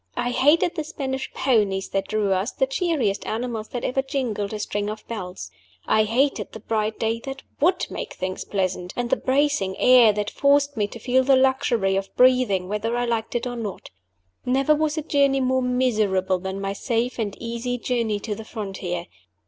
I hated the Spanish ponies that drew us, the cheeriest animals that ever jingled a string of bells. I hated the bright day that would make things pleasant, and the bracing air that forced me to feel the luxury of breathing whether I liked it or not. Never was a journey more miserable than my safe and easy journey to the frontier.